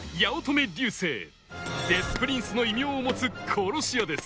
それがデス・プリンスの異名を持つ殺し屋です